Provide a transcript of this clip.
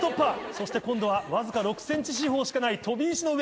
そして今度はわずか６ｃｍ四方しかない飛び石の上。